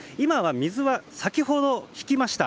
水は先ほど引きました。